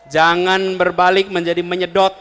jangan berbalik menjadi menyedot